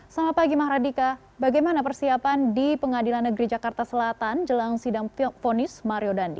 selamat pagi mahardika bagaimana persiapan di pengadilan negeri jakarta selatan jelang sidang fonis mario dandi